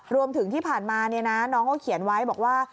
รวมถึงที่ผ่านมาน้องเขาเขียนไว้บอกว่า